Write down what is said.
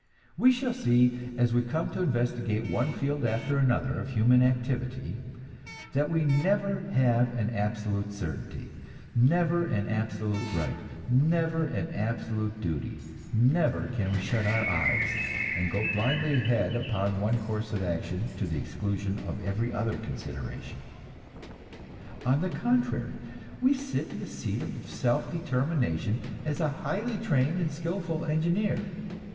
We shall see, as we come to investigate one field after another of human activity, that we never have an absolute certainty, never an absolute right, never an absolute duty; never can we shut our eyes, and go blindly ahead upon one course of action, to the exclusion of every other consideration! On the contrary, we sit in the seat of self determination as a highly trained and skillful engineer.